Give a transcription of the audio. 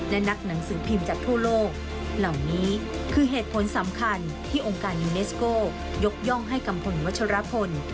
และนักหนังสือพิมพ์จากทั่วโลกเหล่านี้คือเหตุผลสำคัญที่องค์การยูเนสโก้ยกย่องให้กัมพลวัชรพล